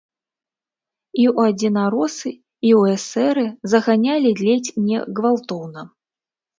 І ў адзінаросы і ў эсэры заганялі ледзь не гвалтоўна.